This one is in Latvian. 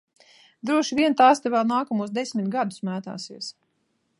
Droši vien tās te vēl nākamos desmit gadus mētāsies.